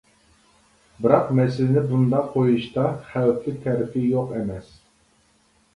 بىراق مەسىلىنى بۇنداق قويۇشتا خەۋپلىك تەرىپى يوق ئەمەس.